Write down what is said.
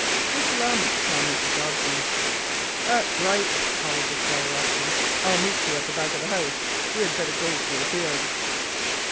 Just allow me to tell Mrs. Jobson." "That's right," halloaed the Squire after him, "I'll meet you at the back of the house. We had better go through the fields."